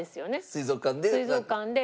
水族館で。